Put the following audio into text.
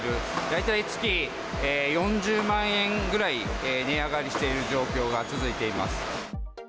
大体、月４０万円ぐらい値上がりしている状況が続いています。